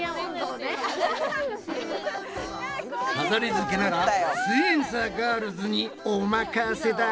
飾りづけならすイエんサーガールズにお任せだ！